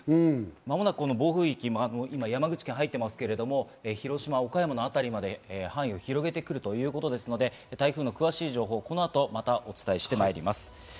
間もなく暴風域が山口県に入ってますけど、広島、岡山あたりまで範囲を広げてくるということですので、台風の詳しい情報、この後詳しくお伝えしてまいります。